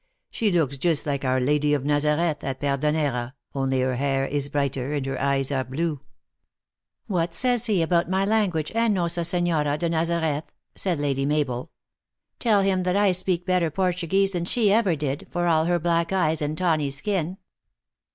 She looks just like our i Lady of Nazareth, at Pederneira, only her hair is brighter, and her eyes are bine." u What says he about my language and Nossa Sen hora de Nazareth f" said Lady Mabel. " Tell him that I speak better Portuguese than she ever did, for all her black eyes and tawny skin."